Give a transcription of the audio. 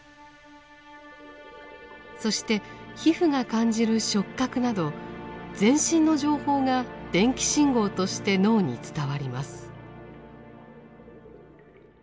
そして皮膚が感じる触覚など全身の情報が電気信号として脳に伝わります。